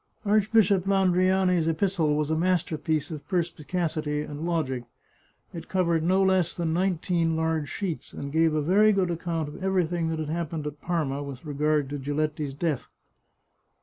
Archbishop Landriani's epistle was a masterpiece of perspicacity and logic. It covered no less than nineteen large sheets, and gave a very good account of everything that had happened at Parma with regard to Giletti's death.